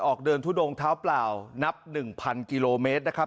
ออกเดินทุดงเท้าเปล่านับ๑๐๐กิโลเมตรนะครับ